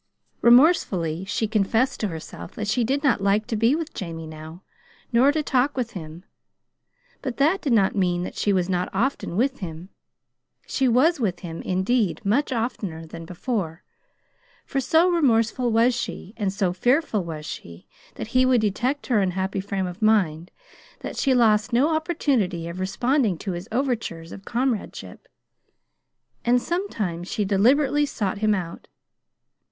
Remorsefully she confessed to herself that she did not like to be with Jamie now, nor to talk with him but that did not mean that she was not often with him. She was with him, indeed, much oftener than before, for so remorseful was she, and so fearful was she that he would detect her unhappy frame of mind, that she lost no opportunity of responding to his overtures of comradeship; and sometimes she deliberately sought him out.